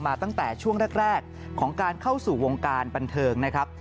ตั้งแต่ช่วงแรกของการเข้าสู่วงการบันเทิงนะครับ